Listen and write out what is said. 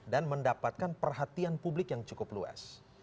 dan mendapatkan perhatian publik yang cukup luas